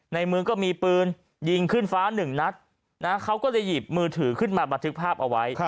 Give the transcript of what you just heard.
ในมือก็มีปืนยิงขึ้นฟ้าหนึ่งนัดนะเขาก็เลยหยิบมือถือขึ้นมาบันทึกภาพเอาไว้